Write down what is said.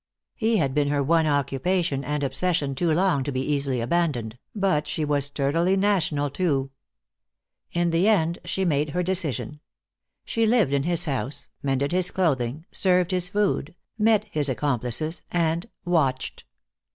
He had been her one occupation and obsession too long to be easily abandoned, but she was sturdily national, too. In the end she made her decision. She lived in his house, mended his clothing, served his food, met his accomplices, and watched.